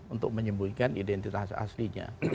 untuk menyembuhkan identitas aslinya